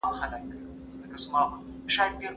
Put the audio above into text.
ډاکټر د لوړ ږغ سره پاڼه نه ده ړنګه کړې.